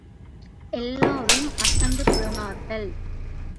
எல்லோரும் அசந்து போனார்கள்.